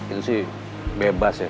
itu sih bebas ya